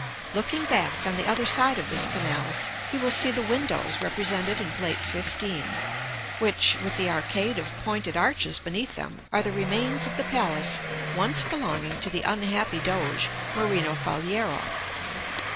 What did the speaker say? Looking back, on the other side of this canal, he will see the windows represented in Plate XV., which, with the arcade of pointed arches beneath them, are the remains of the palace once belonging to the unhappy doge, Marino Faliero.